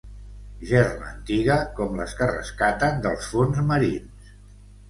Gerra antiga com les que rescaten dels fons marins.